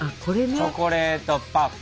チョコレートパフェ。